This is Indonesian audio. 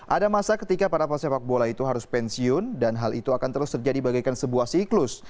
ada masa ketika para pesepak bola itu harus pensiun dan hal itu akan terus terjadi bagaikan sebuah siklus